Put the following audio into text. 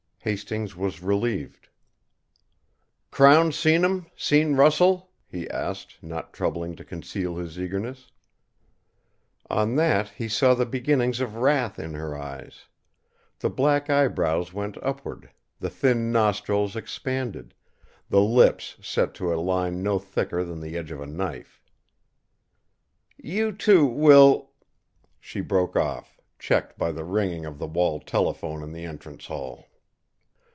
Hastings was relieved. "Crown's seen him, seen Russell?" he asked, not troubling to conceal his eagerness. On that, he saw the beginnings of wrath in her eyes. The black eyebrows went upward, the thin nostrils expanded, the lips set to a line no thicker than the edge of a knife. "You, too, will " She broke off, checked by the ringing of the wall telephone in the entrance hall.